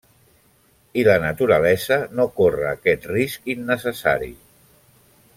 I la naturalesa no corre aquest risc innecessari.